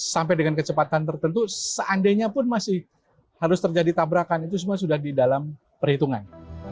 sampai dengan kecepatan tertentu seandainya pun masih harus terjadi tabrakan itu semua sudah di dalam perhitungan